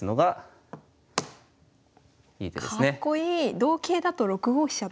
同桂だと６五飛車って。